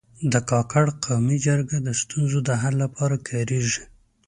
د کاکړ قومي جرګه د ستونزو د حل لپاره کارېږي.